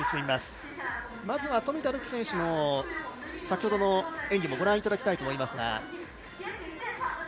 まずは冨田るき選手の先ほどの演技もご覧いただきたいと思いますが。